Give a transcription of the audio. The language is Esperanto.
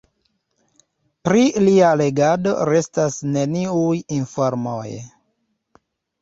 Pri lia regado restas neniuj informoj.